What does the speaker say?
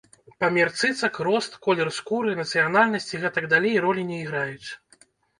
Памер цыцак, рост, колер скуры, нацыянальнасць і гэтак далей ролі не іграюць.